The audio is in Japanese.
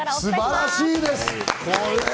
素晴らしいです。